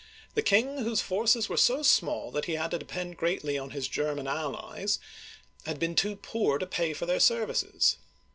The king, whose forces were so small that he had to depend greatly on his Ger man allies, had been too poor to pay them for their serv ices.